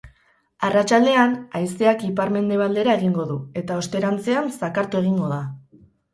Arratsaldean, haizeak ipar-mendebaldera egingo du, eta osterantzean zakartu egingo da.